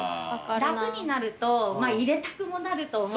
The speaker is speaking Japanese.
楽になると入れたくもなると思うので。